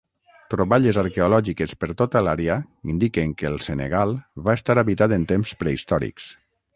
Troballes arqueològiques per tota l'àrea indiquen que el Senegal va estar habitat en temps prehistòrics.